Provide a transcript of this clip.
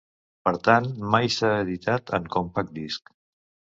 Per tant, mai s'ha editat en compact disc.